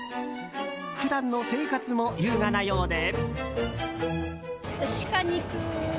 普段の生活も優雅なようで。